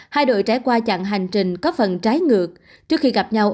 hai đội trải qua chặn hành trình có phần trái ngược trước khi gặp nhau